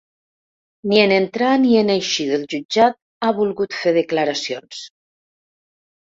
Ni en entrar ni en eixir del jutjat ha volgut fer declaracions.